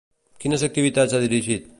Quines activitats ha dirigit?